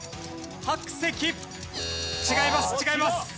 違います